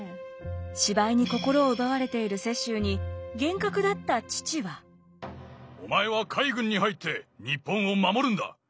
芝居に心を奪われている雪洲にお前は海軍に入って日本を守るんだ。